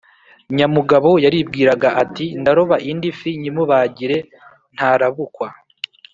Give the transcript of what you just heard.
Nyamugabo yaribwiraga ati: “Ndaroba indi fi nyimubagire ntarabukwa.”